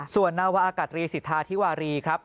ส่วนนาวาอากาศรีสิทธาธิวารีครับ